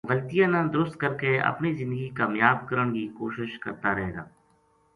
غلطیاں نا درست کر کے اپنی زندگی کامیاب کرن کی کوشش کرتا رہ گا